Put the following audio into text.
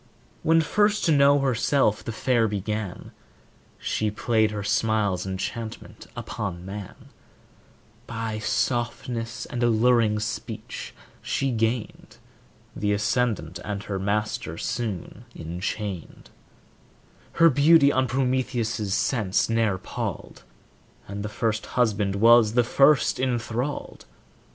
When first to know herself the fair began, She played her smile's enchantment upon man; By softness and alluring speech she gained The ascendant, and her master soon enchained; Her beauty on Prometheus' sense ne'er palled, And the first husband was the first enthralled.